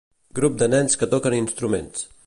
Grup de nens que toquen instruments.